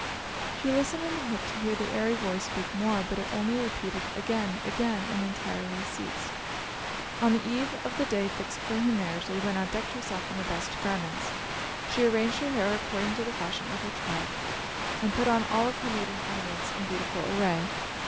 She listened in the hope to hear the airy voice speak more; but it only repeated, "Again! again!" and entirely ceased. On the eve of the day fixed for her marriage, Leelinau decked herself in her best garments. She arranged her hair according to the fashion of her tribe and put on all of her maiden ornaments in beautiful array.